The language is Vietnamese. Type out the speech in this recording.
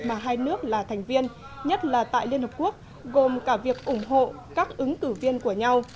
mà hai nước là thành viên nhất là tại liên hợp quốc gồm cả việc ủng hộ các ứng cử viên của nhau